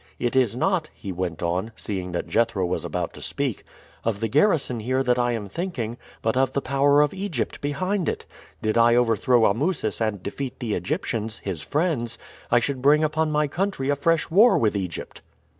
It is not," he went on, seeing that Jethro was about to speak, "of the garrison here that I am thinking, but of the power of Egypt behind it. Did I overthrow Amusis and defeat the Egyptians, his friends, I should bring upon my country a fresh war with Egypt."